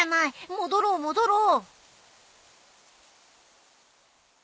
戻ろう戻ろう。